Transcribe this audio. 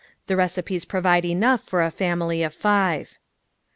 The recipes provide enough for a family of five.